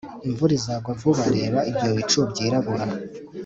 Imvura izagwa vuba Reba ibyo bicu byirabura